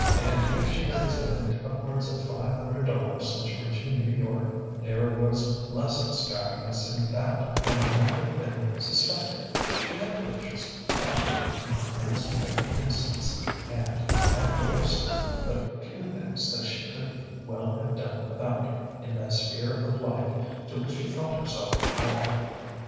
And if she had expended upwards of five hundred dollars since reaching New York, there was less extravagance in that than might have been suspected; she had purchased cannily in almost every instance and, at worst, but few things that she could well have done without in that sphere of life to which she felt herself called.